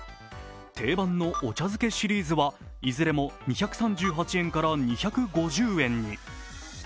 定番のお茶づけシリーズといずれも２３８円から２５０円に。